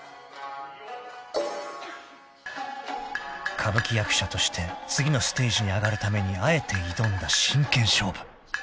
［歌舞伎役者として次のステージに上がるためにあえて挑んだ真剣勝負］